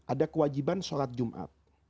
ada kewajiban sholat jumat